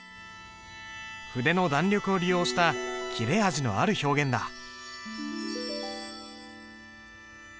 筆の弾力を利用した切れ味のある表現だ。